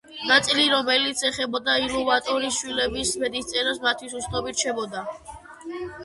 ნაწილი, რომელიც ეხებოდა ილუვატარის შვილების ბედისწერას, მათთვის უცნობი რჩებოდა.